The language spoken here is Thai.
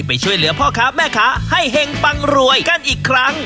ไปช่วยเหลือพ่อค้าแม่ค้าให้เห็งปังรวยกันอีกครั้ง